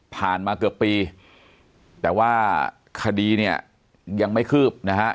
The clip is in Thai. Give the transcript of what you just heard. มาเกือบปีแต่ว่าคดีเนี่ยยังไม่คืบนะฮะ